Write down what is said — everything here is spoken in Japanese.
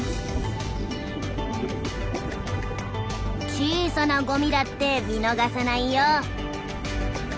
「小さなゴミだって見逃さないよ」。